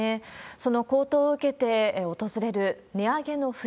その高騰を受けて、訪れる値上げの冬。